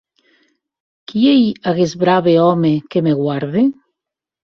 Qui ei aguest brave òme que me guarde?